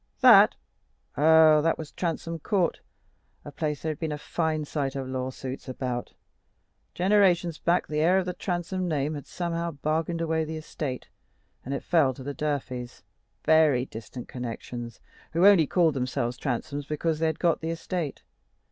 That? oh, that was Transome Court, a place there had been a fine sight of lawsuits about. Generations back, the heir of the Transome name had somehow bargained away the estate, and it fell to the Durfeys, very distant connections, who only called themselves Transomes because they had got the estate.